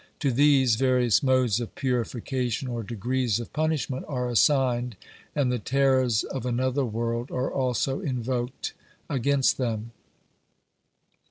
To these, various modes of purification or degrees of punishment are assigned, and the terrors of another world are also invoked against them.